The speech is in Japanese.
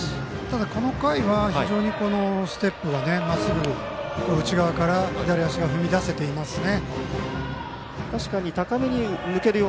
この回はステップはまっすぐ、内側から左足、踏み出せていますね。